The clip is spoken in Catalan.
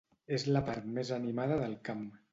És la part més animada del camp.